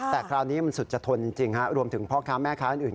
แต่คราวนี้มันสุดจะทนจริงรวมถึงพ่อค้าแม่ค้าอื่น